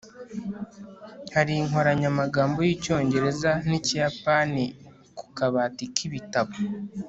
hari inkoranyamagambo y'icyongereza n'ikiyapani ku kabati k'ibitabo